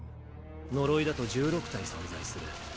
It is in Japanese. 呪いだと１６体存在する。